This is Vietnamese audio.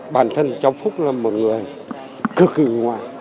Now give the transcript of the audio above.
bản thân trong phúc là một người cực kỳ ngoại